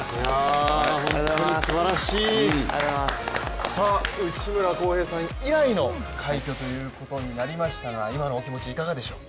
本当にすばらしい内村航平さん以来の快挙ということになりましたが、今のお気持ち、いかがでしょう？